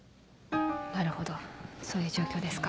なるほどそういう状況ですか。